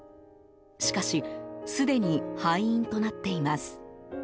しかし、すでに廃院となっています。